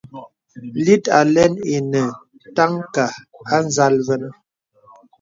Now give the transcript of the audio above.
Lít àlə̀n enə tànka à nzàl vənə.